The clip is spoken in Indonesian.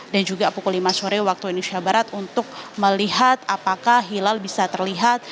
dan juga pukul lima sore waktu indonesia barat untuk melihat apakah hilal bisa terlihat